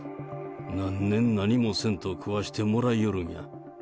何年、何もせんと食わしてもらいよるんや。